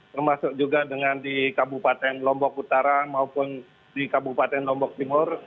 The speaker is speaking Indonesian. termasuk juga dengan di kabupaten lombok utara maupun di kabupaten lombok timur